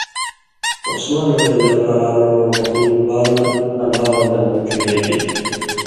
عُثمانؓ غنی بال الاواں دَن ڇِہے گِلیۡ؛